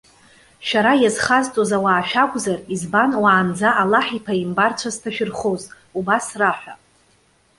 Шәара иазхазҵоз ауаа шәакәзар, избан уаанӡа Аллаҳ иԥааимбарцәа зҭашәырхоз?- Убас раҳәа.